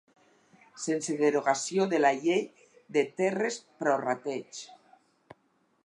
Sense derogació de la Llei de Terres prorrateig.